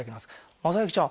「雅行ちゃん